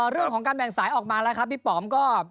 เรื่องของการแบ่งสายออกมาแล้วครับพี่ป๋อมก็